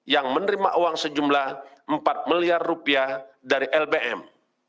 yang menerima uang sejumlah rp empat miliar dari lbm